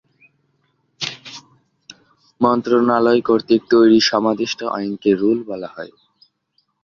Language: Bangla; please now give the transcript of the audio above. মন্ত্রণালয় কর্তৃক তৈরি সমাদিষ্ট আইনকে রুল বলা হয়।